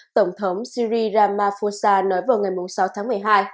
tổng thống siri ramaphosa nói vào ngày sáu tháng một mươi hai